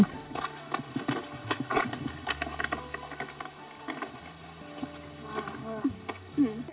em rất hạnh phúc